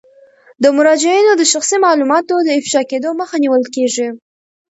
د مراجعینو د شخصي معلوماتو د افشا کیدو مخه نیول کیږي.